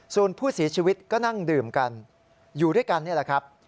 ส่วนผู้เสียชีวิตก็นั่งดื่มกันอยู่ด้วยกันนี่แหละครับ